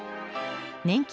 年金